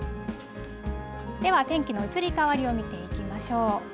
では、天気の移り変わりを見ていきましょう。